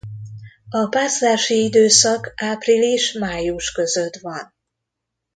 A párzási időszak április–május között van.